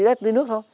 rất dưới nước thôi